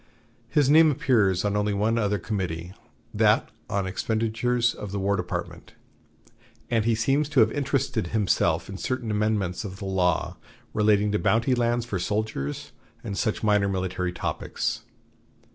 His name appears on only one other committee, that on Expenditures of the War Department, and he seems to have interested himself in certain amendments of the law relating to bounty lands for soldiers and such minor military topics.